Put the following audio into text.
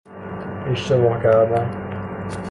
اشتباه کردن